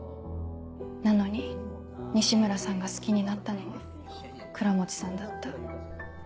なのに西村さんが好きになったのは倉持さんだった。